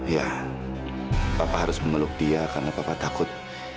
iya papa harus mengeluk dia karena papa takut